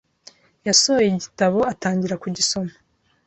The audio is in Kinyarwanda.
Yasohoye igitabo atangira kugisoma.